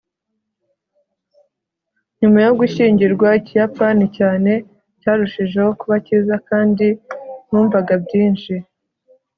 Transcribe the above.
nyuma yo gushyingirwa, ikiyapani cyanjye cyarushijeho kuba cyiza kandi numvaga byinshi